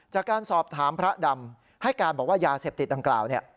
จากการสอบถามพระดำให้การบอกว่ายาเสพติดดังกล่าวเนี่ย